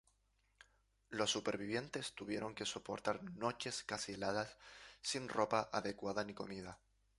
Los supervivientes tuvieron que soportar noches casi heladas sin ropa adecuada ni comida.